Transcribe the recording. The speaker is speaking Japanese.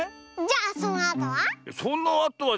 じゃあそのあとは？